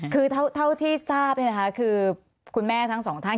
คือเท่าที่ทราบเนี้ยนะคะคือคุณแม่ทั้งสองท่าน